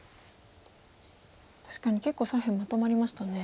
確かに結構左辺まとまりましたね。